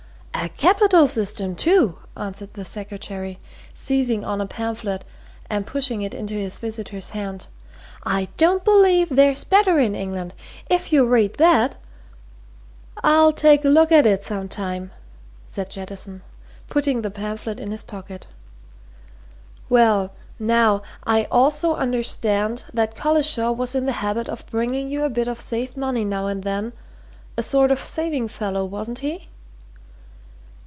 "A capital system, too!" answered the secretary, seizing on a pamphlet and pushing it into his visitor's hand. "I don't believe there's better in England! If you read that " "I'll take a look at it some time," said Jettison, putting the pamphlet in his pocket. "Well, now, I also understand that Collishaw was in the habit of bringing you a bit of saved money now and then a sort of saving fellow, wasn't he?"